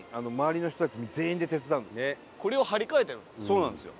そうなんですよ。